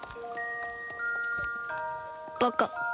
バカ。